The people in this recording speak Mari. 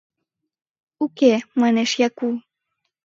— Уке, — манеш Яку.